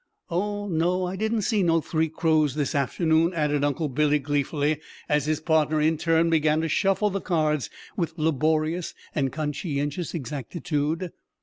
"Oh no! I didn't see no three crows this afternoon," added Uncle Billy gleefully, as his partner, in turn, began to shuffle the cards with laborious and conscientious exactitude.